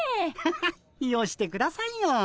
ハハッよしてくださいよ。